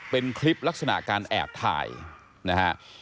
เป็นคลิปลักษณะการแอบถ่ายนะฮะ